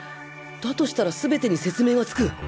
だとしたら全てに説明がつく